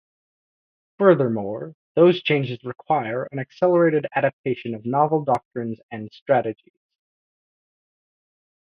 Furthermore, those changes require an accelerated adaptation of novel doctrines and strategies.